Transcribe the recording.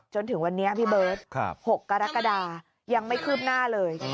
จนถึงวันนี้พี่เบิร์ต๖กรกฎายังไม่คืบหน้าเลย